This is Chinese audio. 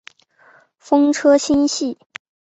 风车星系。